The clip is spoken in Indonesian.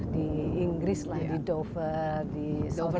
di inggris lah di dover di door